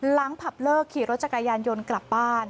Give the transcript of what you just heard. ผับเลิกขี่รถจักรยานยนต์กลับบ้าน